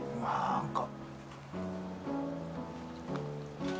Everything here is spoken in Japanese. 何か・